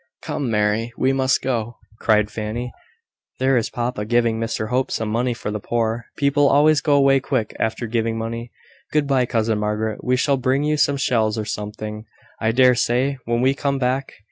"Come, Mary, we must go!" cried Fanny. "There is papa giving Mr Hope some money for the poor; people always go away quick after giving money. Good bye, cousin Margaret. We shall bring you some shells, or something, I dare say, when we come back.